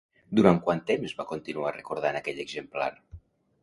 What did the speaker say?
Durant quant temps va continuar recordant aquell exemplar?